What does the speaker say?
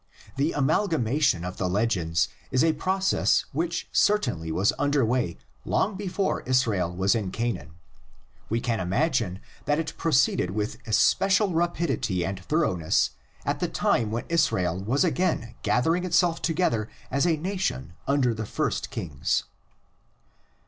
The amalgamation of the legends is a process which cer tainly was under way long before Israel was in Canaan; we can imagine that it proceeded with especial rapidity and thoroughness at the time when Israel was again gathering itself together as a nation under the first kings.